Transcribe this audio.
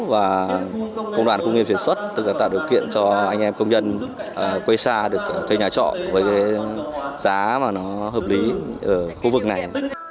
và công đoàn công nghiệp chuyển xuất tự tạo điều kiện cho anh em công nhân quê xa được thuê nhà trọ với cái giá mà nó hợp lý ở khu vực này